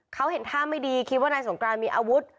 เขาเห็นท่าไม่ดีคิดว่านายสงกรานมีอาวุธ